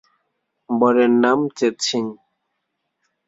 বরের নাম চেৎসিং।